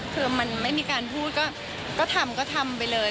คือมันไม่มีการพูดก็ทำก็ทำไปเลย